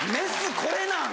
これなん？